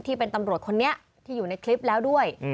ที่เป็นตำรวจคนนี้ที่อยู่ในคลิปแล้วด้วย